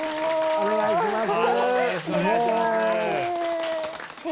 お願いします。